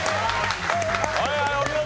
はいはいお見事。